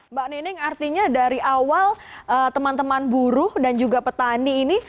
mbak nining artinya dari awal teman teman buruh dan juga petani ini